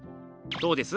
どうです？